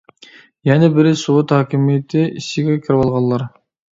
يەنە بىرى سوۋېت ھاكىمىيىتى ئىچىگە كىرىۋالغانلار.